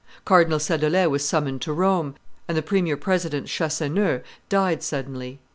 Cardinal Sadolet was summoned to Rome, and the premier president Chassaneuz died suddenly.